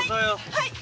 はい！